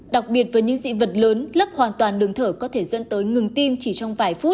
đặc biệt với những dị vật lớn lấp hoàn toàn đường thở có thể dẫn tới ngừng tim chỉ trong vài phút